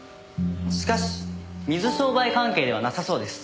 しかし水商売関係ではなさそうです。